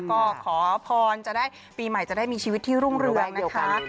ก็ขอพรจะได้ปีใหม่จะได้มีชีวิตที่รุ่งเรืองนะคะ